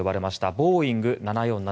ボーイング７４７。